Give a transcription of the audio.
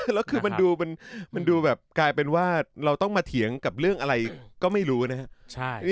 แล้วคือมันดูแบบกลายเป็นว่าเราต้องมาเถียงกับเรื่องอะไรก็ไม่รู้นะครับ